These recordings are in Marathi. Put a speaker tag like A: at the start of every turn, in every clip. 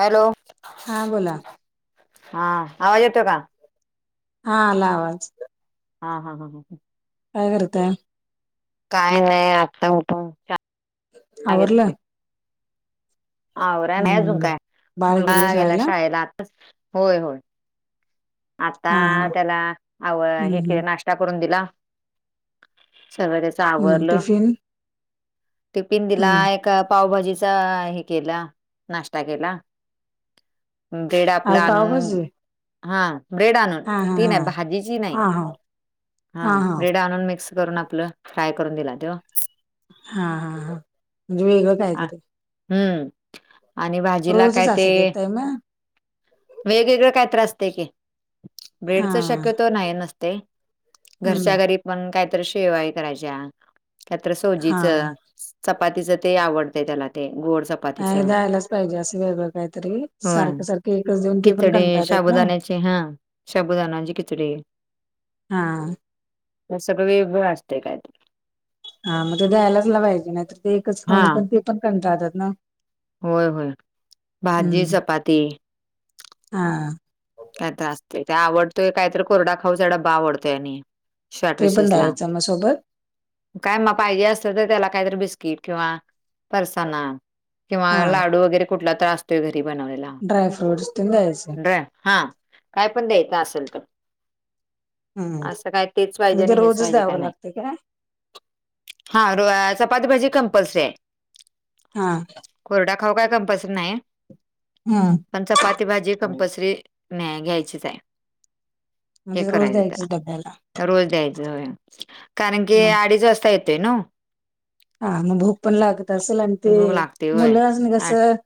A: हॅलो.
B: हां बोला.
A: हा, आवाज येतो का?
B: हा आला आवाज.
A: हा-हा-हा-हा हं.
B: काय करत्या?
A: काय नाही आत्ता ऊठून च्या
B: आवरलं?
A: आवरा नाही अजून
B: हम्म
A: काय,
B: बाळ गेलं
A: मुलगा गेला शाळेला आताच होय-होय.
B: हा हा
A: आता त्याला आव
B: हम्म
A: हे क
B: हम्म
A: नाश्ता करून दिला स सर्व.
B: हं टिफिन.
A: तिपिन दिला
B: हम्म
A: एक पावभाजीचा हे केला नाश्ता केला. बेड आपलं
B: आज
A: आणून
B: पावभाजी
A: हां. ब्रेड आणून
B: हा हा
A: ती
B: हा
A: नाही भाजीची नाही
B: हा हा हा हा
A: हां,
B: हा
A: ब्रेड आणून मिक्स करून आपलं फ्राय करून दिला तेव
B: हा-हा-हा वेगळं कायतरी.
A: हम्म आणि भाजीला काय
B: रोजच
A: ते
B: असं देताय मग
A: वेगवेगळ काय तरी असते की.
B: हा
A: ब्रेडच शक्यतो नाही नसते
B: हम्म
A: घरच्या घरी. मग कायत शेवाई करायच्या कायत
B: हा
A: सोजीच उपमा. चपातीच ते आवडतंय त्याला ते गोड लाडू.
B: नाही द्यायलाच पाहिजे असं वेगळं काहीतरी
A: होय,
B: सारखं सारखे एकच देऊन ते पण
A: खिचडी
B: कंटाळत आहेत ना.
A: शाबुदाण्याची हा शबुदना जी किचडे.
B: हा
A: सगळ वेगळं असते कायत.
B: हा मग ते जायलाच ला पाहिजे नाहीतर ते एकच
A: हा
B: खाऊन पण ते पण कंनटाळयात ना.
A: होय होय भाजी
B: हम्म
A: चपाती.
B: हा
A: काय तर असंतय ते आवडतोय कायतर कोरडा खाऊ चा डब्बा आवडतोय आणि- शॉट
B: ते पण
A: रिशीस ला
B: द्यायचं मग सोबत
A: काय मग पाहिजे असत तर त्याला काहीतरी बिस्किट किंवा- फरसाना किंवा
B: हा
A: लाडू वगैरे कुठला तर असतोय घरी बनवलेला.
B: ड्रायफ्रूट्स तेन दांयच.
A: ड्र हा काय पण द्यायचं असेल तर-
B: हम्म
A: असं काय तेच पाहिजे
B: म्हणजे ते
A: नाही हेच
B: रोजच
A: पाहिजे काय
B: द्यावं
A: नाही.
B: लागते काय
A: हा र चपाती भाजी कंपल्सरी आहे.
B: हा
A: कोरडा खाऊ काय कंपल्सरी नाही.
B: हम्
A: पण चपाती भाजी कंपल्सरी नाही घ्यायचीच आहे. हे
B: म्हणजे रोज
A: करायचं
B: द्यायचीच डब्यात.
A: रोज द्यायचं होय कारण कारण की अडीच वाजता येतोय नवं.
B: हा मग भूक पण लागत असेल आणि ते
A: भूक लागते होय.
B: मुलं अजून
A: आ-
B: कसं-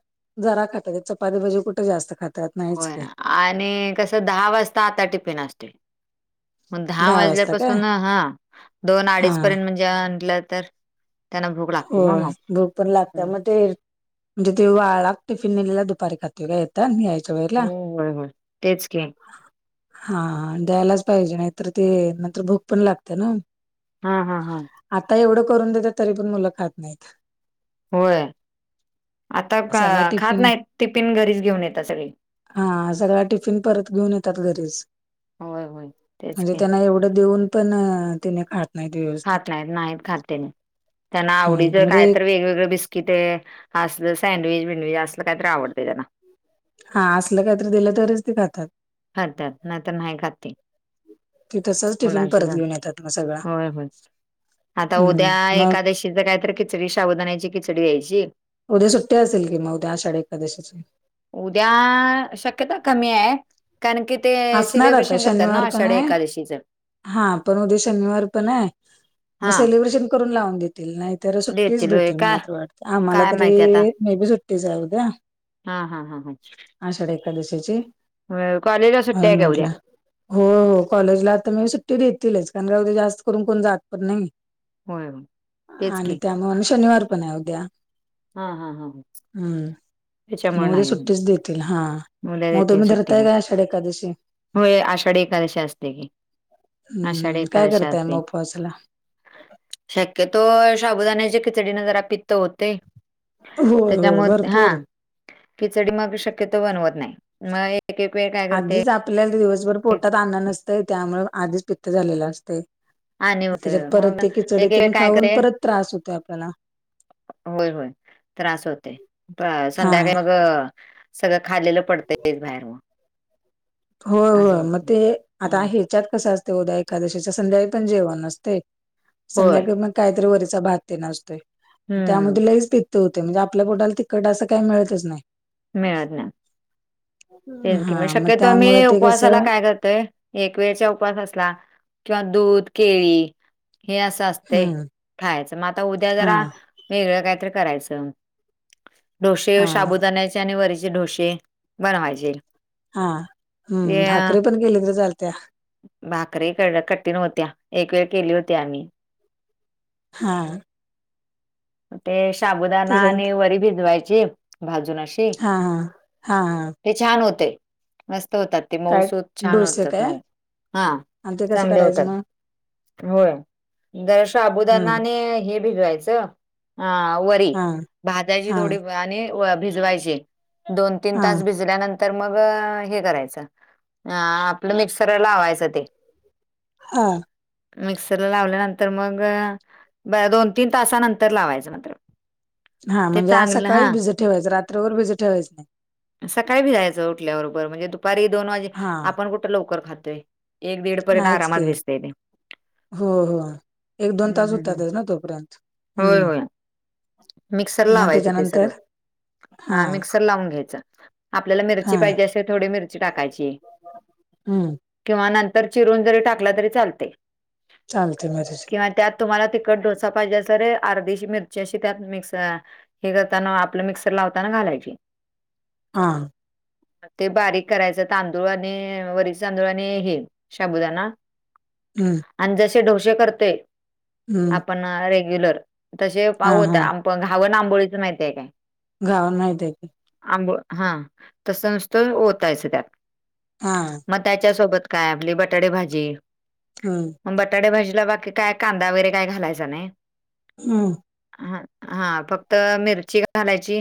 B: जरा खातात चपाती भाजी कुठे जास्त खातात. नाहीच
A: होय
B: की
A: आणि कसं दहा वाजता आता टिफिन असतोय. मग दहा
B: वाजता काय
A: वाजल्यापासून हा दोन
B: हा
A: अडीच पर्यंत म्हणजे म्हलं तर- त्यांना भूक
B: हो
A: लागते ना मग.
B: भूक पण लागते
A: हम्म.
B: मग ते म्हणजे ते वाळा टिफिन नलेला दुपारी खातो. ते का येतात यायच्या वेळेला.
A: हो होय होय तेच की
B: हा द्यायलाच पाहिजे नाहीतर ते नंतर भूक पण लागते ना.
A: हा हा हा
B: आता एवढं करून देतात तरी पण मुलं खात नाहीत.
A: होय आता
B: सगळा
A: खात
B: टिफिन
A: नाही टिफिन घरीच घेऊन येतात संगळी.
B: हा सगळां टिफिन परत घेऊन येतात घरीच.
A: होय होय. तेच
B: म्हणजे
A: की
B: त्यांना एवढं देऊन पण तिने खात- नाहीत व्यवस्थित.
A: खात नाहीत नाहीत खात तेन्ही त्यांना आवडीच
B: हम्म
A: काय
B: म्हणजे
A: तर वेगवेगळ बिस्- कि ते असल सँडविच बिंडविच असल काहीतरी आवडत त्यांना -
B: हा असलं काहीतरी दिलं तरच ते खातात.
A: खातात नाहीतर नाही तर नाही खात ती
B: ती तसच टिफिन
A: मलायच होय
B: परत घेऊन येतात मग सगळा
A: होय [inaudible] आता
B: हम्म
A: उद्या
B: मग
A: एकादशीच काय तरी खिचडी शाबुदानायची खिचडी या्यायची.
B: उद्या सुट्टी असेल कि मग उद्या आषाढी एकादशीचे.
A: उद्या शक्यता कमी आहे. कारण की ते
B: असणार आता
A: सेलेिब्रेशन करतात
B: शनिवार
A: ना
B: पण
A: आषाढी
B: आहे
A: एकादशीच.
B: हा पण उद्या शनिवार पण आहे मग
A: हा.
B: सेलिब्रेशन- करून लावून देतील, नाहीतर सुट्टीच
A: देतील होय
B: भेटेल
A: काय
B: मला तर वाटत आम्हाला
A: काय माहिती आता
B: तरी- मी बी सुुटी हाय ऊद्या
A: हा हा हा हा
B: आषाढ एकादशीची
A: होय कॉलेज अस
B: म्हणून म्हंटल हो कॉलेजला आता म्हणजे सुट्टी देतीलच, कारण का उद्या जास्त करून कोण जात पण नाही.
A: होय होय तेच
B: आणि
A: की
B: त्यामुळ आणि शनिवार पण आहे उद्या
A: हा हा हा हं
B: हम्म मग उद्या सुट्टीच देतील हा
A: मुलं
B: मग
A: देतील
B: तुम्ही
A: सुट्टी
B: धरताय
A: मग.
B: का आशाढ एकादशी
A: होय आषाढी एकादशी असत्या की- आषाढी
B: हम्म काय
A: एकादशी
B: करताय मग
A: असते.
B: उपवासाला?
A: शक्यतो शाबुदाण्याच्या खिचडीने जरा पित्त होतंय
B: होय होय
A: त्याच्यामुळ हा
B: भरपूर
A: खिचडी मग शक्यतो बनवत नाही मग एक एक वेळ काय करते
B: आधीच आपल्या दिवसभर पोटात आन्न नसतंय त्यामुळ आधीच पित्त झालेलं असतंय
A: आणि
B: मग
A: होते
B: त्याच्यात परत
A: मग
B: ते खिचडी
A: एक
B: तेन
A: एक काय
B: खाऊन
A: करे
B: परत त्रास होतोय आपल्याला
A: होय होय त्रास होतोय प
B: हा
A: संध्याकाळी मग सगळं खालेलं पडतंय तेच बाहेर मग
B: होय
A: असं
B: होय मग
A: होत
B: ते आता ह्याच्यात कसं असतंय उद्या एकादशीच्या संध्याकाळी पण जेवण असतंय
A: होय
B: संध्याकाळी मग काहीतरी वरीचा भात तेन असतोय त्यामुळं
A: हम्म
B: ते लयचं पित त्त होतंय म्हणजे आपल्या पोटाला तिखट असं काही मिळतच नाही
A: मिळत नाही तेच कि मी
B: हा मग
A: शक्यतो मी
B: त्यामुळे ते
A: उपवासाला
B: कसं
A: काय करतोय एक वेळचा उपवास असला किंवा दूध केळी हे असं असतंय
B: हम्म
A: खायाचं मग आता उद्या
B: हा
A: जरा वेगळं काहीतरी करायचं डोशे
B: हा
A: शाबुदाण्या आणि वरीचे डोसे बनवायचे
B: हा
A: ते
B: हम्म भाकरी पण केली तरी चालत्या
A: भाकरी कर कठीण होत्या एक वेळ केली होती आम्ही
B: हा
A: ते शाबुदाना
B: त्याच्यानंतर
A: आणि वरी भिजवायची भाजून अशी
B: हा हा हा हा
A: ते छान होतंय मस्त होतात ते
B: काय
A: मऊसूत छान
B: डोसे
A: होतात
B: काय
A: मऊ हा
B: आणि ते कसं
A: चांगले
B: करायचं
A: होतात
B: मग
A: होय जरा शाबुदाना
B: हम्म
A: आणि हे भिजवायचं आ वरी
B: हा
A: भाजायची
B: हा
A: थोडी ब आणि भिजवायची दोन तीन
B: हा
A: तास भिजल्यानं तर मग हे करायचं अ आपलं मिक्सर लावायचं ते
B: हा
A: मिक्सरला लावल्यानंतर मग ब दोन तीन तासानं तर लावायचं नंतर
B: हा म्हणजे आज सकाळीच भिजत ठेवायचं रात्रभर भिजत ठेवायचं नाही
A: सकाळी भिजायचं उठल्याबरोबर म्हणजे दुपारी दोन वाजे
B: हा
A: आपण कुठं लवकर खातोय एक दीड पर्यंत
B: नाहीच
A: आरामात
B: की
A: भिजतंय ते
B: हो हो एक दोन
A: हम्म
B: तास
A: हम्म हम्म
B: होतातच तोपर्यंत
A: होय
B: हम्म
A: होय मिक्सरला
B: मग
A: लावायचं ते
B: त्याच्यानंतर
A: सगळं
B: हा
A: आ मिक्स तर लावून घ्यायच आपल्याला मिरची
B: हा
A: पाहिजेे असेल थोडी मिरची टाकायची
B: हम्म
A: किंवा नंतर चिरून जरी टाकला तरी चालतंय
B: चालतंय माझ्याशी
A: किंवा त्यात तुम्हाला तिखट डोसा पाहिजे असे तर अर्धीशी मिरची अशी त्यात मिक्स हे करताना आपलं मिक्सर लावताना घालायची.
B: हा
A: ते बारीक करायचं तांदूळ आणि वरीच तांदूळ आणि हे शाबुदाना
B: हम्म.
A: आणि जसे डोसे करतोय
B: हम्म
A: आपण रेग्युलर तसे
B: हा
A: पावत
B: हा
A: घावण आंबोळीचं माहिती आहे काय
B: घावन माहिती आहे की
A: आंबोळ हा तसं नुसतं ओतायचं त्यात
B: हा
A: मग त्याच्या सोबत काय आपली बटाटे भाजी
B: हम्म
A: मग बटाटे भाजीला बाकी काय कांदा वगैरे काय घालायचा नाही
B: हम
A: हा हा फक्त मिरची घालायची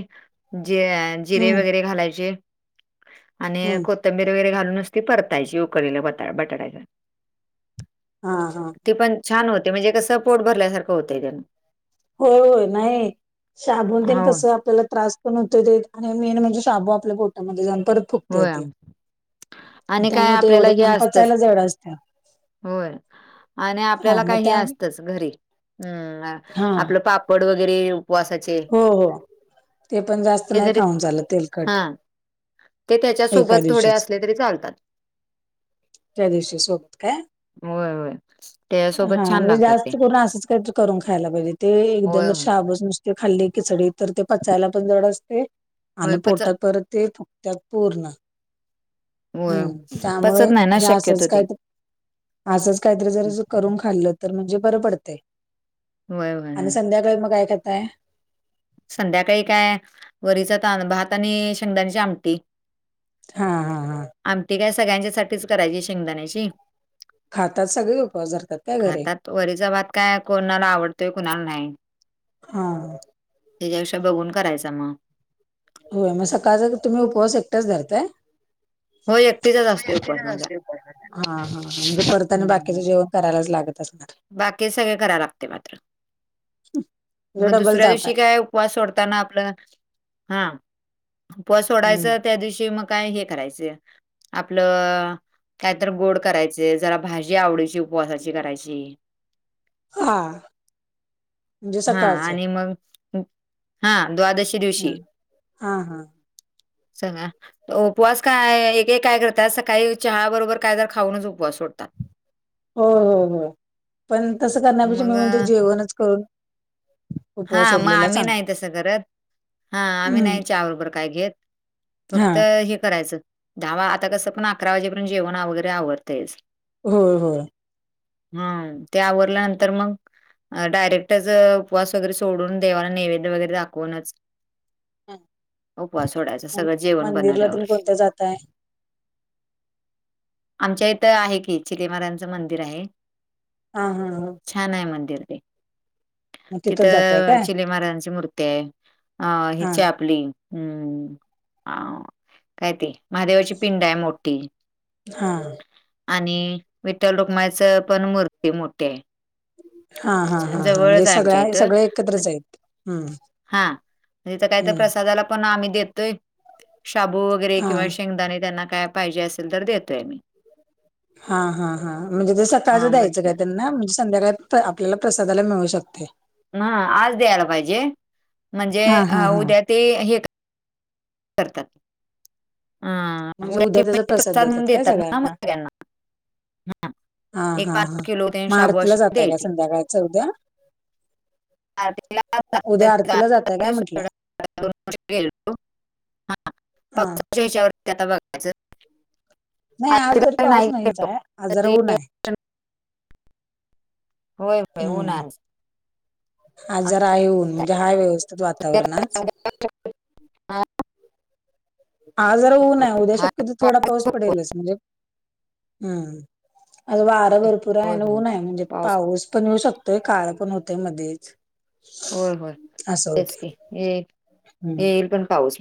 A: जिरे
B: हम्म
A: वगैरे घालायचे आणि
B: हम्म
A: कोथंबीर वगैरे घालूनच ती परतायची उकडलेल्या बटा-बटाट्याला
B: हा-हा
A: ते पण छान होते म्हणजे कस पोट भरल्यासारखं होत त्यांन
B: होय -होय नाही शाबू नं तेन
A: हो
B: कसं आपल्याला त्रास पण होतोय आणि मेन म्हणजे शाबू आपल्या पोटामध्ये जाऊन परत फुगतंय
A: होय
B: ते
A: आणि काय
B: त्यामुळे ते
A: आपल्याला
B: एवढं
A: हे
B: आणि
A: असतच
B: पचायला जड असत
A: होय आणि आपल्याला काय हे
B: त्या
A: असतच घरी. हम्म
B: हा
A: आपलं पापड वगैरे उपवासाचे
B: हो -हो ते पण जास्त
A: ते
B: नाही
A: जरी
B: खाऊन चालत
A: हा
B: तेलकट
A: ते
B: एका
A: त्याच्यासोबत थोडे
B: दिवशीच
A: असले तरी चालतात
B: त्या दिवशी सोबत काय
A: होय होय
B: हा
A: त्याच्यासोबत छान
B: म्हणजे
A: लागतात ते.
B: जास्त करून असंच काही तरी करून खायला पाहिजे ते
A: होय
B: एकदम
A: होय
B: शाबुच नुसते खाल्ले खिचडी तर ते पचायला पण जड असते
A: होय
B: आणि
A: पच
B: पोटात परत ते फुगत्यात पूर्ण
A: होय
B: हम्म त्यामुळे
A: पचत नाही ना
B: हे असंच
A: शक्यतो
B: काय
A: ते.
B: तर असंच काहीतरी जर करून खाल्लं तर म्हणजे बरं पडतंय
A: होय
B: आणि
A: होय
B: संध्याकाळी मग काय करताय
A: संध्याकाळी काय वरीचा भात आणि शेंगदाण्याची आमटी
B: हा, हा, हा
A: आमटी काय सगळ्यांच्यासाठीच करायची शेंगदाण्याची
B: खातात सगळे उपवास धरतात काय घरी
A: तो वरीचा भात काय कोणाला आवडतोय कुणाला नाही
B: हा
A: त्याच्यापेक्षा बघून करायचा मग
B: होय मग सकाळचा तुम्ही उपवास एकटाच धरताय
A: हो एकटीचा
B: हा एकटीचाच आसतोय उपवास माझा. हा, हा म्हणजे परत आणि बाकीचं जेवण करायलाच लागत असणार
A: बाकीच सगळ करायला लागते मात्र.
B: म्हणजे
A: मग
B: डबल
A: दुसऱ्या
B: ताप
A: दिवशी काय काय सोडतांना आपल हा उपवास
B: आहे
A: सोडायचा त्या दिवशी मग काय हे करायचं आपलं काय तरी गोड करायच जरा भाजी आवडीची उपवासाची करायची
B: हा म्हणजे
A: हा
B: सकाळचं
A: आणि मग हा द्वादशी
B: हा
A: दिवशी
B: हा हा
A: चांगला उपवास काय एक काय करतात सकाळी चहा बरोबर काय तर खाऊनच उपवास सोडतात
B: हो हो हो पण तसं करण्यापेक्षा मी
A: मग
B: म्हणतो जेवणच करून
A: हा
B: उपवास
A: मग
B: सोडलेला
A: आम्ही नाही
B: चांगला
A: तसं करत हा आम्ही
B: हम्म
A: नाही चहा बरोबर काही घेत
B: हा
A: फक्त हे करायचं दहा आता कसं पण अकरा वाजेपर्यंत जेवण वगैरे आवरतेस
B: हो होय
A: हा ते आवरल्यानंतर मग डायरेक्टच उपवास वैगेरे सोडून देवाला नैवेद्य वगैरे दाखवूनच, उपवास सोडायचा
B: ह
A: सगळं जेवण
B: मंदिरला
A: बनवल्यावर.
B: तुम्ही कोणत्या जातय?
A: आमच्या इथं आहे की चिले महाराजांच मंदिर आहे.
B: हा हा हा
A: छान आहे मंदिर ते.
B: मग तिथंच जाताय
A: तिथं
B: काय
A: चिले महाराजांची मूर्ती आहे अ
B: हा
A: हिच आहे आपली- हम्म काय ते महादेवाची पिंड आहे मोठी.
B: हा
A: आणि विठ्ठल रुक्मायच पण मूर्ती मोठी आहे.
B: हा हा हा हां म्हणजे
A: जवळच
B: सगळ्या
A: आमच्या
B: आहे
A: हा काय तर
B: हम्म
A: प्रसादला- पण आम्ही देतोय शाबू वगैरे
B: हा
A: किंवा शेंगदाणे त्यांना काय- पाहिजे असेल तर देतोय आम्ही.
B: हा हा हा म्हणजे ते
A: हा
B: सकाळचं
A: मग
B: द्यायचं का त्यांना म्हणजे संध्याकाळ, आपल्याला प्रसादाला मिळू शकते.
A: ह आज द्यायला पाहिजे म्हणजे
B: हा हा हा
A: उद्या ते हे, करतात. हा
B: म्हणजे
A: व
B: उद्या त्याचा
A: प्रसाद [inaudible]
B: काय
A: देतात ना मग
B: सगळ्यांना
A: त्या, हा
B: हा
A: एक
B: हा हा
A: पाच किलो त
B: मग
A: शाबू
B: आरतीला
A: असे
B: जातय काय
A: द्यायचे [unintelligible]
B: संध्याकाळच उद्या उद्या आरतीला जातय काय म्हटलं
A: [inaudible]
B: हा
A: [unintelligible] च्यावरती आता बघायचं
B: नाही आज
A: आरतीला
B: जरा
A: तर
B: पाऊस
A: नाही
B: नाहीच
A: गेलो.
B: आहे आज जरा
A: तरी
B: उन आहे.
A: होय होय उन
B: हम्म
A: हाय.
B: आज जरा आहे ऊन म्हणजे आहे व्यवस्थित वातावरण आज,
A: हा
B: आज जरा ऊन आहे उद्या शक्यतोर थोडा पाऊस पडेलच म्हणजे हम्म - आज वारं भरपूर
A: होय,
B: आहे
A: होय.
B: ऊन आहे म्हणजे पाऊस पण येऊ शकतोय काळ पण होतय मध्येच-
A: होय होय
B: असं
A: तेच
B: होतय
A: की येईल
B: हम्म
A: येईल पण पाऊस